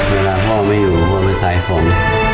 เวลาพ่อไม่อยู่จงเป็นสายกลม